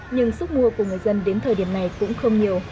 nhưng sức mua của người dân đến thời điểm này cũng không nhiều